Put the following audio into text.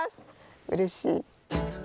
うれしい。